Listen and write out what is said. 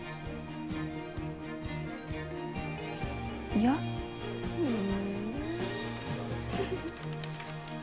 いや？ふん。